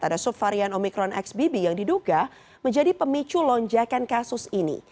ada subvarian omikron xbb yang diduga menjadi pemicu lonjakan kasus ini